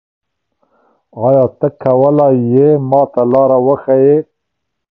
آیا ته کولای ېې ما ته لاره وښیې؟